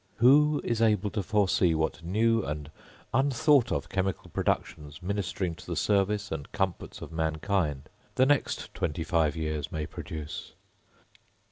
Who is able to foresee what new and unthought of chemical productions, ministering to the service and comforts of mankind, the next twenty five years may produce?